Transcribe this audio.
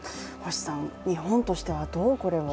日本としてはどうこれを？